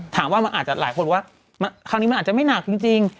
ถามว่ามันอาจจะหลายคนว่าคราวนี้มันอาจจะไม่หนักจริง